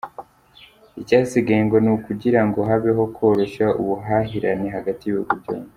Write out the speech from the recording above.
Icyasigaye ngo ni ukugira ngo habeho koroshya ubuhahirane hagati y’ibihugu byombi.